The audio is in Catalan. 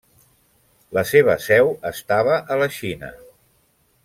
La seva seu estava a la Xina.